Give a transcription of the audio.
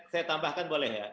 saya tambahkan boleh ya